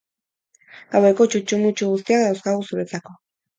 Gaueko txutxu-mutxu guztiak dauzkagu zuretzako!